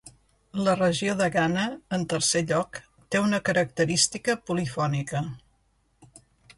La regió de Ghana, en tercer lloc, té una característica polifònica.